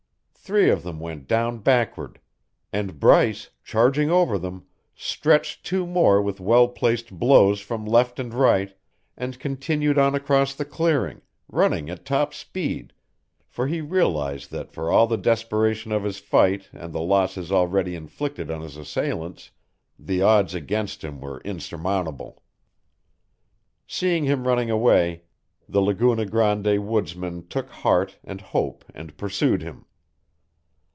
Three of them went down backward; and Bryce, charging over them, stretched two more with well placed blows from left and right, and continued on across the clearing, running at top speed, for he realized that for all the desperation of his fight and the losses already inflicted on his assailants, the odds against him were insurmountable. Seeing him running away, the Laguna Grande woods men took heart and hope and pursued him.